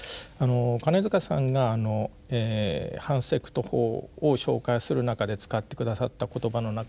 金塚さんが反セクト法を紹介する中で使って下さった言葉の中にですね